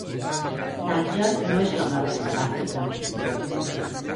Tànger no és com la resta d'Àfrica.